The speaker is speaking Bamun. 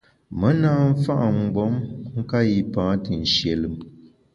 Me na mfa’ mgbom nka yipa te nshie lùm.